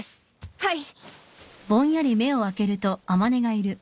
はい。